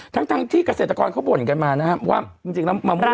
ทั้งที่เกษตรกรเขาบ่นกันมานะครับว่าจริงแล้วมะม่วง